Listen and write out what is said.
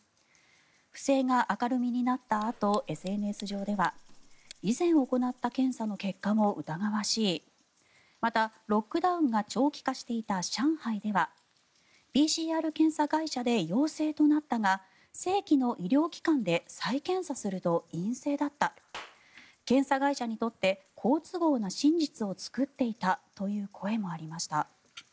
不正が明るみになったあとＳＮＳ上では以前行った検査の結果も疑わしいまたロックダウンが長期化していた上海ではＰＣＲ検査会社で陽性となったが正規の医療機関で再検査すると陰性だった検査会社にとって好都合な真実を作っていたという声もありました。